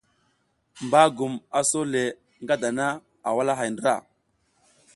Bagum a sole nga dana a walahay ndra,